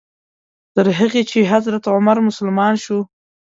تر هغې چې حضرت عمر مسلمان شو.